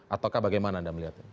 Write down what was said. ataukah bagaimana anda melihatnya